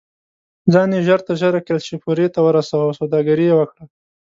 ځان یې ژر تر ژره کلشپورې ته ورساوه او سوداګري یې وکړه.